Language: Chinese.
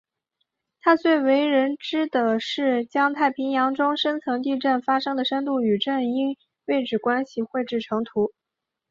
他最为人所知的是将太平洋中深层地震发生的深度与震央位置关系绘制成图。